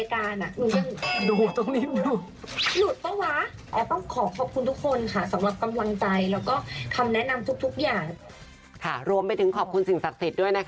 ขอบคุณค่ะรวมไปถึงขอบคุณสิ่งศาสตรีด้วยนะคะ